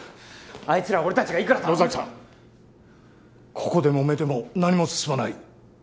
あいつらは俺たちがいくら頼んだって野崎さん、ここでもめても何も進まない。